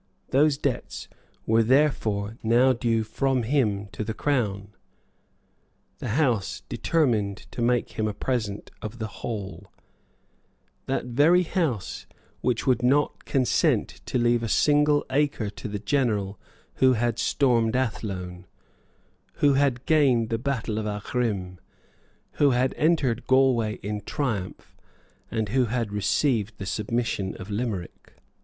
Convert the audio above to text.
Those debts were therefore now due from him to the Crown. The House determined to make him a present of the whole, that very House which would not consent to leave a single acre to the general who had stormed Athlone, who had gained the battle of Aghrim, who had entered Galway in triumph, and who had received the submission of Limerick.